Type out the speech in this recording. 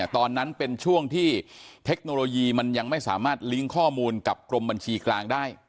ตอนนั้นเป็นช่วงที่เทคโนโลยีมันยังไม่สามารถลิงก์ข้อมูลกับกรมบัญชีกลางได้